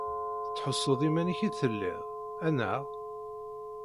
Tettḥussuḍ iman-ik i telliḍ, anaɣ?